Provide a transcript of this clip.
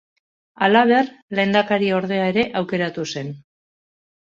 Halaber, lehendakariordea ere aukeratu zen.